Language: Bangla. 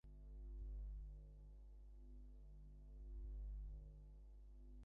পুরো টুর্নামেন্টেই খেলেছেন দারুণ, তবে নিজেকে ভালোভাবে চিনিয়েছেন সুপার এইটে ওঠার পর।